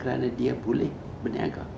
mereka tidak bisa menjaga